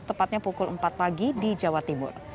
tepatnya pukul empat pagi di jawa timur